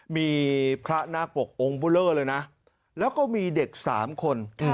มีพระนาคปกองค์บูเลอร์เลยนะแล้วก็มีเด็ก๓คน